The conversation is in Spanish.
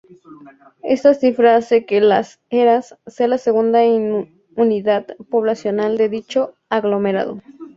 Esta cifra hace que Las Heras sea la segunda unidad poblacional de dicho aglomerado.